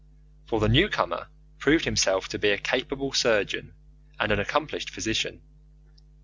For the newcomer proved himself to be a capable surgeon and an accomplished physician.